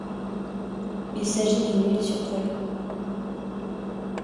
Il s'agit d'une huile sur toile.